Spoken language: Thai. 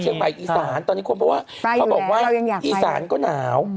เชียงรายเชียงใหม่อีสานตอนนี้ควรเพราะว่าเขาบอกว่าอีสานก็หนาว